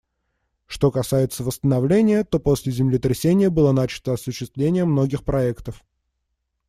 Что касается восстановления, то после землетрясения было начато осуществление многих проектов.